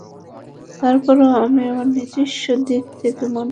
তারপরও আমি আমার নিজস্ব দিক থেকে মত দিচ্ছি।